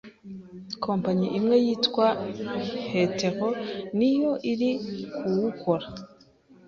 kompanyi imwe yitwa Hetero ni yo iri kuwukora.